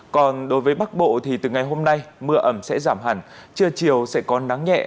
còn đối với bắc bộ thì từ ngày hôm nay mưa ẩm sẽ giảm hẳn trưa chiều sẽ có nắng nhẹ